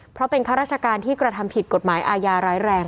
เพราะเป็นข้าราชการที่กระทำผิดกฎหมายอาญาร้ายแรง